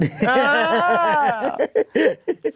เออ